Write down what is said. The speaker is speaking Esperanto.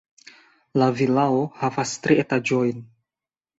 La vilao havas tri etaĝojn.